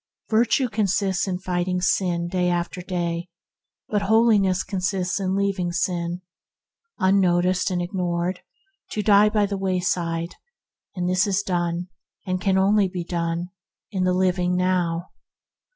Virtue consists in overcoming sin day after day, but holiness consists in leaving sin, unnoticed and ignored, to die by the way side; and this is done, can only be done, in the living now.